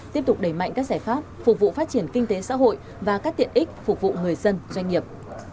tiếp tục đẩy mạnh các giải pháp phục vụ phát triển kinh tế xã hội và các tiện ích phục vụ người dân doanh nghiệp